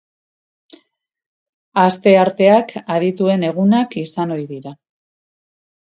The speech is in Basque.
Astearteak adituen egunak izan ohi dira.